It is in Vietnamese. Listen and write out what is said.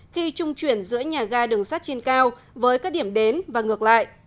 khi trung chuyển giữa nhà ga đường sắt trên cao với các điểm đến và ngược lại